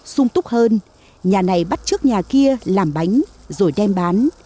sung túc hơn nhà này bắt trước nhà kia làm bánh rồi đem bán